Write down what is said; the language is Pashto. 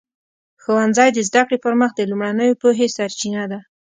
ښوونځی د زده کړې پر مخ د لومړنیو پوهې سرچینه ده.